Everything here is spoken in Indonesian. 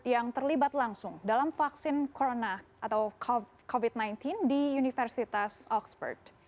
yang terlibat langsung dalam vaksin corona atau covid sembilan belas di universitas oxford